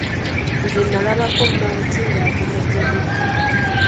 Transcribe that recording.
Nze nnalabako Maati ng’avuma Jamidah.